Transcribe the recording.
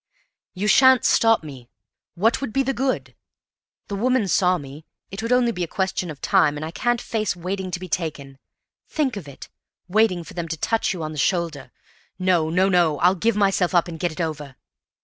"You sha'n't stop me! What would be the good? The woman saw me; it would only be a question of time; and I can't face waiting to be taken. Think of it: waiting for them to touch you on the shoulder! No, no, no; I'll give myself up and get it over."